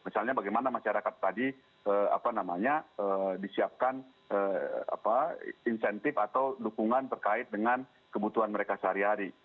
misalnya bagaimana masyarakat tadi disiapkan insentif atau dukungan terkait dengan kebutuhan mereka sehari hari